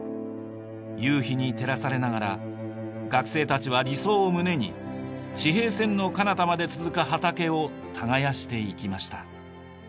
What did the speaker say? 夕日に照らされながら学生たちは理想を胸に地平線のかなたまで続く畑を耕していきました。